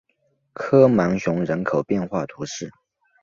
科芒雄人口变化图示